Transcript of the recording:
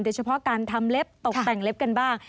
โดยเฉพาะการทำเล็บตกแต่งเล็บกันบ้าง